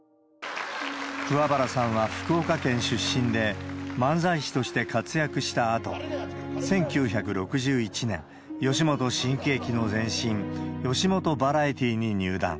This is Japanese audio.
桑原さんは福岡県出身で、漫才師として活躍したあと、１９６１年、吉本新喜劇の前身、吉本ヴァラエティに入団。